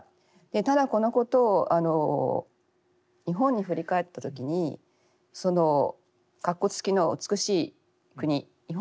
ただこのことを日本に振り返った時に括弧付きの「美しい国日本」